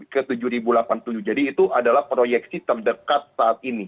ke tujuh ribu delapan puluh tujuh jadi itu adalah proyeksi terdekat saat ini